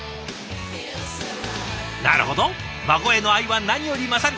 なるほど孫への愛は何より勝る！